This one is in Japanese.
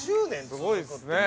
◆すごいですね。